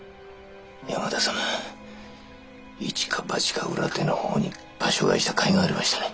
山田様一か八か裏手のほうに場所替えした甲斐がありましたね。